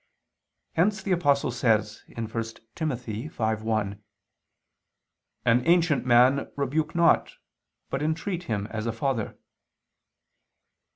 Hence the Apostle says (1 Tim. 5:1): "An ancient man rebuke not, but entreat him as a father."